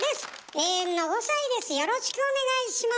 永遠の５さいです。